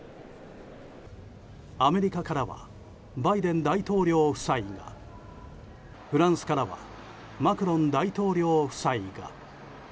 アメリカからはバイデン大統領夫妻がフランスからはマクロン大統領夫妻が。